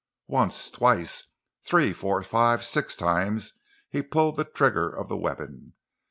Once—twice—three, four, five, six times he pulled the trigger of the weapon.